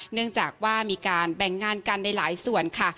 เนื่องจากว่ามีการแบ่งงานกันในหลายส่วนค่ะ